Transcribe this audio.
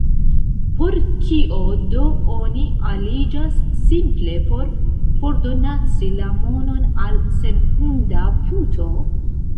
Por kio do oni aliĝas, simple por fordonaci la monon al senfunda puto?